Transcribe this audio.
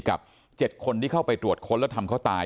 กับ๗คนขึ้นไปตรวจค้นแล้วทำเขาตาย